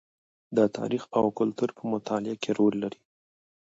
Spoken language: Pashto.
د تاریخ او کلتور په مطالعه کې رول لري.